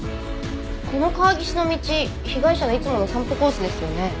この川岸の道被害者のいつもの散歩コースですよね。